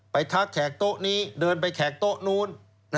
ทักแขกโต๊ะนี้เดินไปแขกโต๊ะนู้น